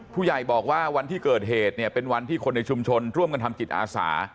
ผู้ใหญ่บอกว่าวันที่เกิดเหตุเนี่ยเป็นวันที่คนในชุมชนร่วมกันทำจิตอาสา